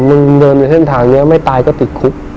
มึงเดินในเส้นทางนี้ไม่ตายก็ติดคุก